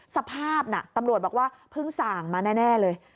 สภาพน่ะตำรวจบอกว่าเพิ่งสั่งมาแน่เลย